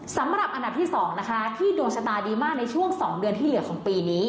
สำหรับอันดับที่๒นะคะที่ดวงชะตาดีมากในช่วง๒เดือนที่เหลือของปีนี้